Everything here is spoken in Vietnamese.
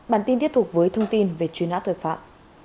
bản tin tiếp tục với thông tin về truy nã tội phạm